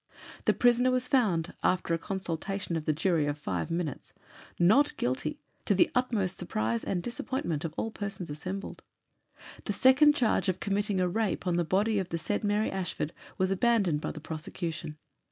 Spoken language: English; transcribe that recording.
The prisoner was found after a consultation of the jury of five minutes Not Guilty, to the utmost surprise and disappointment of all persons assembled. The second charge of committing a rape on the body of the said Mary Ashford was abandoned by the prosecution.